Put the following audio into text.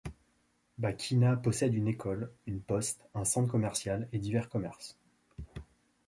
Bačina possède une école, une poste, un centre médical et divers commerces.